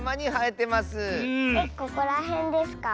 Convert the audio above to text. えっここらへんですか？